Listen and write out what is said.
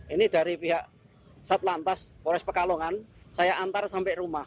ini dari pihak satlantas polres pekalongan saya antar sampai rumah